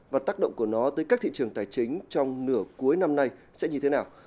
và tác động của nó tới các thị trường tài chính trong nửa cuối năm nay sẽ như thế nào